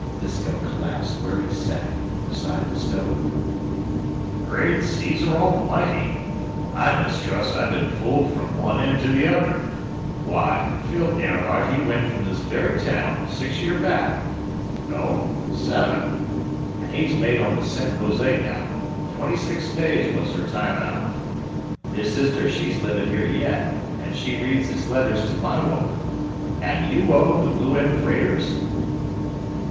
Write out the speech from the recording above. Disko collapsed where he sat, beside the stove. "Great Caesar Almighty! I mistrust I've been fooled from one end to the other. Why, Phil Airheart he went from this very town six year back no, seven an' he's mate on the San Jose now twenty six days was her time out. His sister she's livin' here yet, an' she reads his letters to my woman. An' you own the 'Blue M.' freighters?"